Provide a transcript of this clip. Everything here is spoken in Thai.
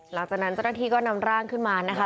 หลังจากนั้นเจ้าหน้าที่ก็นำร่างขึ้นมานะคะ